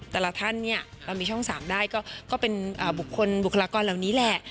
แต่ละท่านเนี่ยเรามีช่อง๓ได้ก็เป็นบุคคลบุคลากรเหล่านี้แหละ